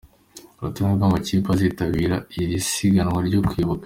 Urutonde rw’amakipe azitabira iri siganwa ryo kwibuka:.